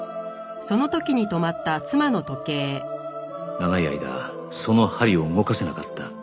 長い間その針を動かせなかった